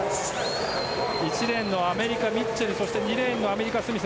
１レーンのアメリカのミッチェルそして２レーンのアメリカスミス。